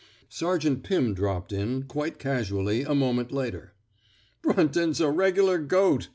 Sergeant Pim dropped in, quite casually, a moment later. " Brunton's a regular goat!'